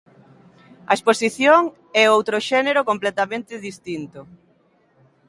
A exposición é outro xénero completamente distinto.